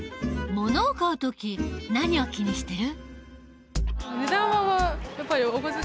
ものを買う時何を気にしてる？